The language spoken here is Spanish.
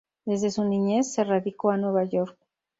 Desde su niñez, se radicó a Nueva York.